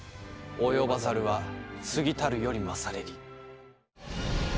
及ばざるは過ぎたるよりまされり。